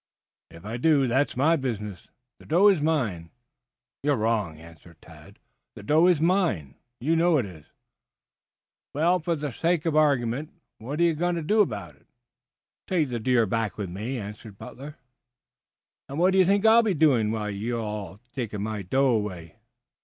"If I do, that's my business. The doe is mine." "You are wrong," answered Tad. "The doe is mine. You know it is." "Well, for the sake of the argument, what are you going to do about it?" "Take the deer back with me," answered Butler evenly. "And what do you think I'll be doing while you all are taking my doe away?"